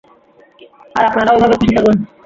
আর আপনারা এভাবেই খুশি থাকুন।